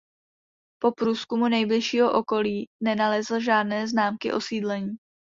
Po průzkumu nejbližšího okolí nenalezl žádné známky osídlení.